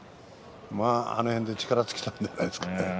あの辺で力尽きたんじゃないですかね。